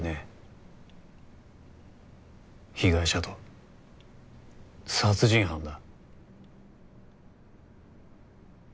被害者と殺人犯だ。